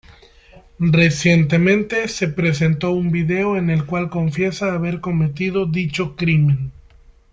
Recientemente, se presentó un vídeo en el cual confiesa haber cometido dicho crimen.